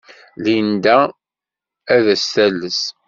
Linda ad as-tales.